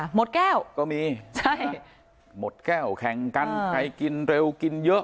หมดแก้วก็มีใช่หมดแก้วแข่งกันใครกินเร็วกินเยอะ